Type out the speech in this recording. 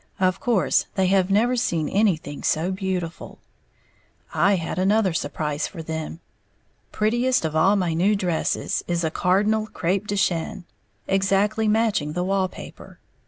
Of course they have never seen anything so beautiful. I had another surprise for them. Prettiest of all my new dresses is a cardinal crêpe de chine, exactly matching the wall paper.